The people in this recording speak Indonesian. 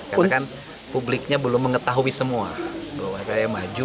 karena kan publiknya belum mengetahui semua bahwa saya maju